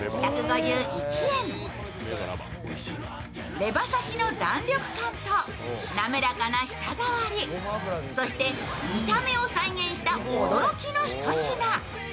レバ刺しの弾力感と滑らかな舌触り、そして見た目を再現した驚きの一品。